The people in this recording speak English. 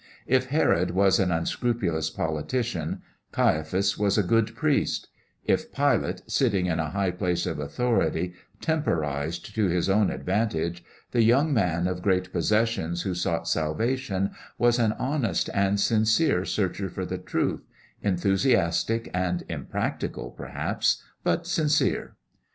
If Herod was an unscrupulous politician, Caiaphas was a good priest; if Pilate, sitting in a high place of authority, temporized to his own advantage, the young man of great possessions who sought salvation was an honest and sincere searcher for the truth enthusiastic and impractical, perhaps, but sincere.